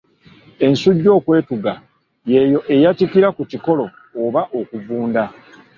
Ensujju okwetuga, y'eyo eyatikkira ku kikolo oba okuvunda.